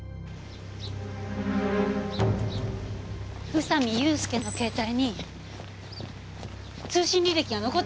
宇佐美祐介の携帯に通信履歴が残ってたんですよ。